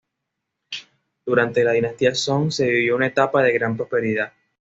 Durante la dinastía Son, se vivió una etapa de gran prosperidad.